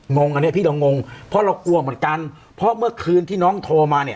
งงอันเนี้ยพี่เรางงเพราะเรากลัวเหมือนกันเพราะเมื่อคืนที่น้องโทรมาเนี่ย